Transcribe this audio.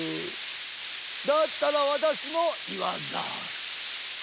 だったらわたしもいわざる。